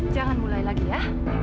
jangan mulai lagi ya